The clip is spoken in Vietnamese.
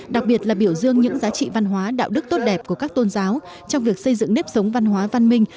đặc biệt là biểu dương những giá trị văn hóa đạo đức tốt đẹp của các tôn giáo trong việc xây dựng nếp sống văn hóa văn minh